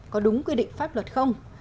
có đúng quy định pháp luật không